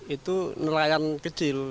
itu nelayan kecil